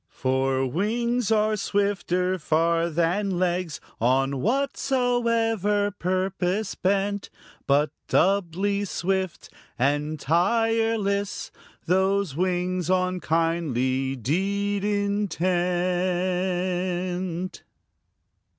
For wings are swifter far than legs, On whatsoever purpose bent, But doubly swift and tireless Those wings on kindly deed intent.